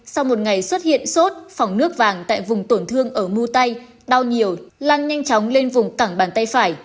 sau một ngày xuất hiện sốt phòng nước vàng tại vùng tổn thương ở mưu tay đau nhiều lan nhanh chóng lên vùng cẳng bàn tay phải